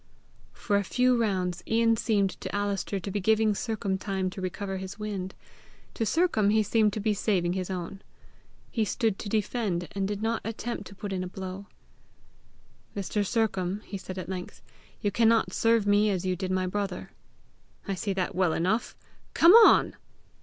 For a few rounds Ian seemed to Alister to be giving Sercombe time to recover his wind; to Sercombe he seemed to be saving his own. He stood to defend, and did not attempt to put in a blow. "Mr. Sercombe," he said at length, "you cannot serve me as you did my brother." "I see that well enough. Come on!"